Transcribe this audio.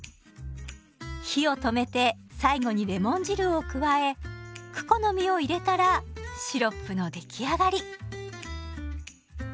火を止めて最後にレモン汁を加えクコの実を入れたらシロップの出来上がり。